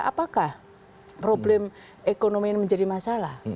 apakah problem ekonomi ini menjadi masalah